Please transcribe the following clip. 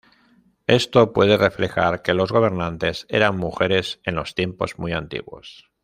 Esto puede reflejar que los gobernantes eran mujeres en los tiempos muy antiguos.